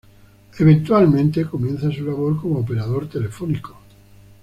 Eventualmente, comienza su labor como operador telefónico.